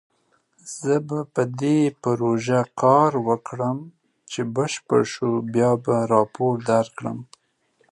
زه به په دې پروژه کار وکړم، چې بشپړ شو بیا به راپور درکړم